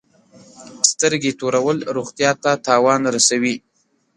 سترګي تورول روغتیا ته تاوان رسوي.